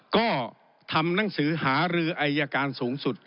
ก็ทำหนังสือหารืออายการสูงสุด